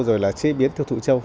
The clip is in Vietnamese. rồi là chế biến thụ châu